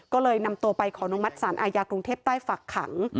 ก็เลยนำตัวไปขอนุมัติศาลอาญากรุงเทพใต้ฝักขัง